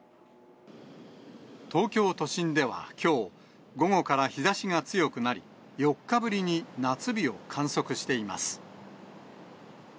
東京都心ではきょう、午後から日ざしが強くなり、４日ぶりに夏日を観測しています。